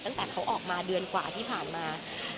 ตั้งแต่เขาออกมาเดือนกว่าที่ผ่านมา